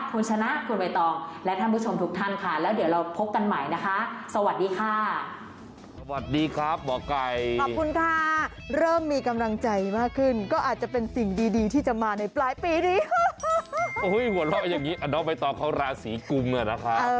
คุณชนะคุณไบตองและท่านผู้ชมทุกท่านค่ะแล้วเดี๋ยวเราพบกันใหม่นะคะสวัสดีค่ะ